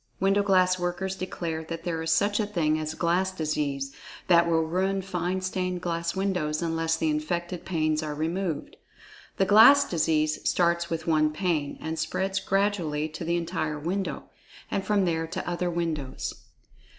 Window glass workers declare that there is such a thing as "glass disease," that will ruin[Pg 44] fine stained glass windows unless the infected panes are removed. The "glass disease" starts with one pane, and spreads gradually to the entire window, and from there to other windows.